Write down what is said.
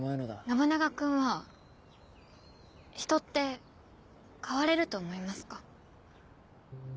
信長君は人って変われると思いますか？